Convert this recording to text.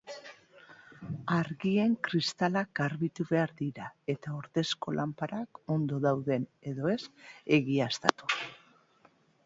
Argien kristalak garbitu behar dira eta ordezko lanparak ondo dauden edo ez egiaztatu.